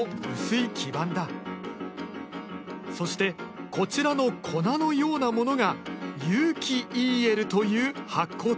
そしてこちらの粉のようなものが有機ＥＬという発光体。